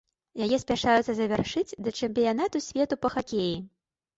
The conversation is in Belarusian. Яе спяшаюцца завяршыць да чэмпіянату свету па хакеі.